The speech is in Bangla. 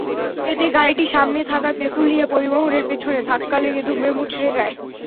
এতে গাড়িটি সামনে থাকা তেঁতুলিয়া পরিবহনের পেছনে ধাক্কা লেগে দুমড়ে-মুচড়ে যায়।